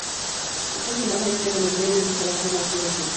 Estas imágenes se convirtieron en su trabajo más conocido.